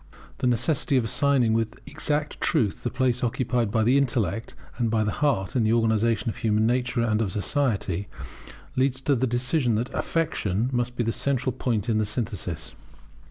The necessity of assigning with exact truth the place occupied by the intellect and by the heart in the organization of human nature and of society, leads to the decision that Affection must be the central point of the synthesis.